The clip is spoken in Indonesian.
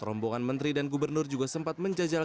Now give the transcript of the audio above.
rombongan menteri dan gubernur juga sempat menjajal